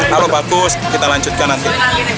kalau bagus kita lanjutkan nanti